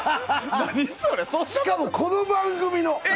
しかも、この番組の！